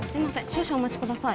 少々お待ちください